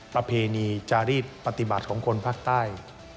ประเพณีจารีสปฏิบัติของคนภาคใต้